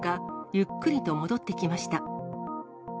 ゆっくりと戻ってきました。